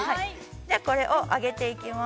じゃあこれを、揚げていきます。